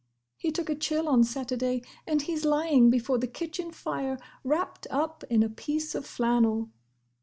He took a chill on Saturday and he's lying before the kitchen fire wrapped up in a piece of flannel.